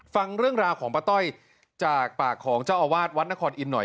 ฟังเรื่องราวของป้าต้อยจากปากของเจ้าอาวาสวัดนครอินทร์หน่อย